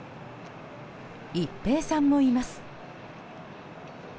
一平さんもいます。